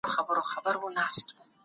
څه مسته نشه مي